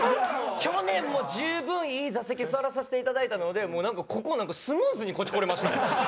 去年もう十分いい座席に座らさせていただいたのでもうここなんかスムーズにこっち来れましたよ。